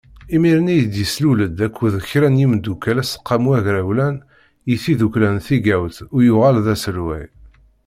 Imir-nni i d-yeslul-d akked kra n yimeddukkal aseqqamu agrawlan i tiddukla n tigawt u yuɣal d aselway.